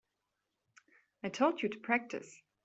I told you to practice.